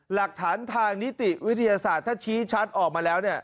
หลักฐานทางนิติวิทยาศาสตร์ถ้าชี้ชัดออกมาแล้ว